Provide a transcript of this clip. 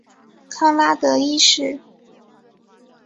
康拉德一世。